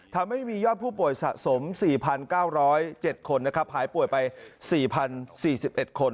ทำให้มียอดผู้ป่วยสะสม๔๙๐๗คนนะครับหายป่วยไป๔๐๔๑คน